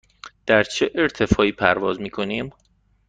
در چه ارتفاعی پرواز می کنیم؟